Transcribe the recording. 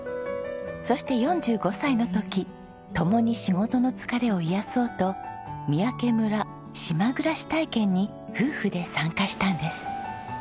そして４５歳の時共に仕事の疲れを癒やそうと「三宅村島ぐらし体験」に夫婦で参加したんです。